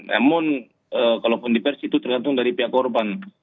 namun kalau diversi itu tergantung dari pihak korban